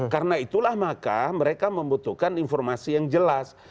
karena itulah maka mereka membutuhkan informasi yang jelas